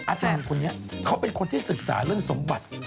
อาจารย์คนนี้เขาเป็นคนที่ศึกษาเรื่องสมบัติ